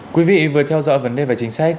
quý vị vừa theo dõi vấn đề về chính sách